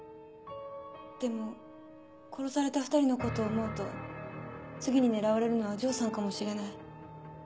でも殺された２人のことを思うと次に狙われるのは城さんかもしれない。